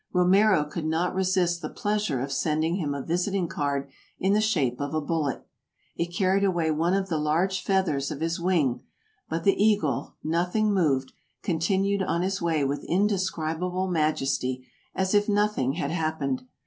Romero could not resist the pleasure of sending him a visiting card in the shape of a bullet. It carried away one of the large feathers of his wing, but the eagle, nothing moved, continued on his way with indescribable majesty, as if nothing had happened.